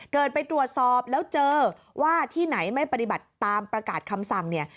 ไปตรวจสอบแล้วเจอว่าที่ไหนไม่ปฏิบัติตามประกาศคำสั่งเนี่ย